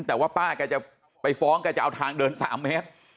แต่ว่าป้าแกจะไปฟ้องแกจะเอาทางเดิน๓เมตร